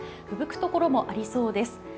ふぶくところもありそうです。